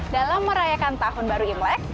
dalam merayakan tahun baru imlek